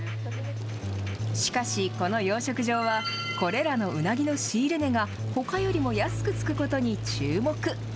しかし、この養殖場はこれらのウナギの仕入れ値がほかよりも安くつくことに注目。